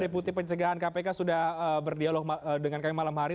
deputi pencegahan kpk sudah berdialog dengan kami malam hari